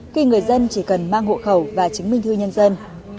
khi người dân chỉ cần mang hộ khẩu và chứng minh thư nhân dân